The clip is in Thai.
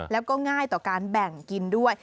แล้วก็ง่ายต่อการแบ่งกินด้วย